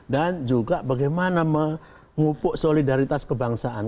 dan juga bagaimana mengupuk solidaritas kebangsaan